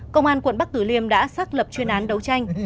công an quận bắc tử liêm đã xác lập chuyên án đấu tranh